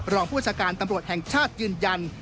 ผู้ประชาการตำรวจแห่งชาติยืนยัน